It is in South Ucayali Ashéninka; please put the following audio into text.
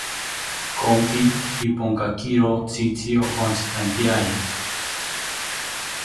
Konki Iponkakiro tzitzi onkotzitantyari